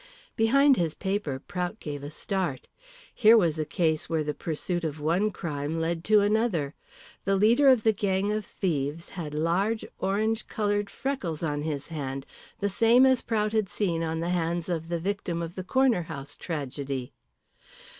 Behind his paper Prout gave a start. Here was a case where the pursuit of one crime led to another. The leader of the gang of thieves had large orange coloured freckles on his hand the same as Prout had seen on the hands of the victim of the Corner House tragedy.